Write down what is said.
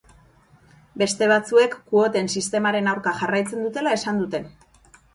Beste batzuek kuoten sistemaren aurka jarraitzen dutela esan dute.